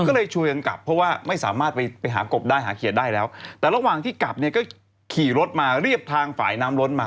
ก็เลยช่วยกันกลับเพราะว่าไม่สามารถไปหากบได้หาเขียดได้แล้วแต่ระหว่างที่กลับเนี่ยก็ขี่รถมาเรียบทางฝ่ายน้ำล้นมา